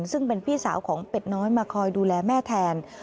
ซึ่งเป็นพี่สาวของเป็ดน้อยมาคอยดูแลแม่แทน